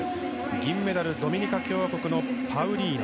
銀メダル、ドミニカ共和国のパウリーノ。